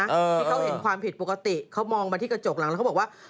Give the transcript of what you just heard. ที่เขาเห็นความผิดปกติเขามองมาที่กระจกหลังแล้วเขาบอกว่า